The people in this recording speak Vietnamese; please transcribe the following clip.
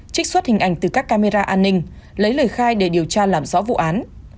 trích xuất hình ảnh từ các camera an ninh lấy lời khai để điều tra làm rõ vụ án